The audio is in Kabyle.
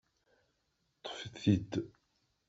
Ṭṭfet-t-id!